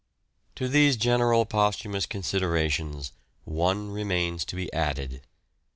To these general posthumous considerations one remains to be added.